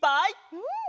うん！